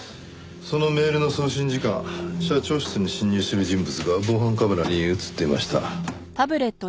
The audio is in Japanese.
そのメールの送信時間社長室に侵入する人物が防犯カメラに映っていました。